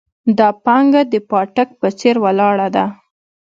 دا پانګه د پاټک په څېر ولاړه ده.